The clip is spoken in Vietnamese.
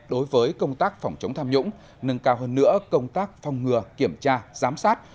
đối với công tác phòng chống tham nhũng nâng cao hơn nữa công tác phòng ngừa kiểm tra giám sát